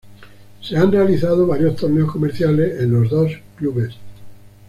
Se han realizado varios torneos comerciales en los dos clubes.